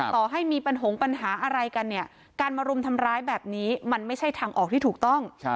ต่อให้มีปัญหาอะไรกันเนี่ยการมารุมทำร้ายแบบนี้มันไม่ใช่ทางออกที่ถูกต้อง